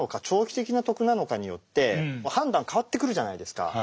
長期的な得なのかによって判断変わってくるじゃないですか。